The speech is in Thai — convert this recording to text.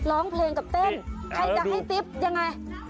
ร้องเพลงกับเต้นใครจะให้ติ๊บยังไง